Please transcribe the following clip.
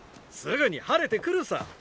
すぐに晴れてくるさ。